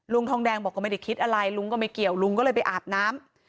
ทองแดงบอกก็ไม่ได้คิดอะไรลุงก็ไม่เกี่ยวลุงก็เลยไปอาบน้ำ